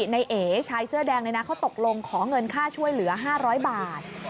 ในเอชายเสื้อแดงเลยนะเขาตกลงขอเงินค่าช่วยเหลือ๕๐๐บาท